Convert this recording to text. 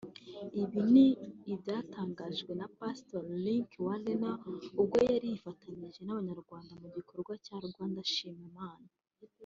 Ibi ni ibyatangajwe na pastor Rick Warren ubwo yari yifatanije n’abanyarwa mu gikorwa cya Rwanda Shima Imana